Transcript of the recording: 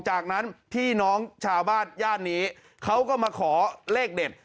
จากนั้นพี่น้องชาวบ้านย่านนี้เขาก็มาขอเลขเด็ด